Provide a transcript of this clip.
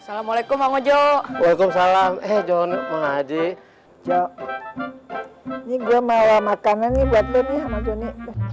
assalamualaikum walaikum salam eh jom aja jok ini gue mau makanan ini buat lebih maju nih